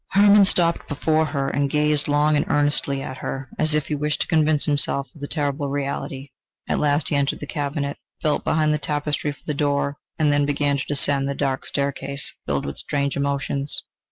Hermann stopped before her, and gazed long and earnestly at her, as if he wished to convince himself of the terrible reality; at last he entered the cabinet, felt behind the tapestry for the door, and then began to descend the dark staircase, filled with strange emotions.